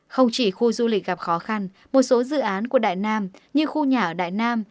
không chỉ khu du lịch gặp khó khăn một số dự án của đại nam như khu nhà ở đại nam